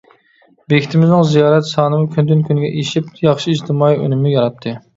بېكىتىمىزنىڭ زىيارەت سانىمۇ كۈندىن-كۈنگە ئېشىپ ياخشى ئىجتىمائىي ئۈنۈمنى ياراتتى.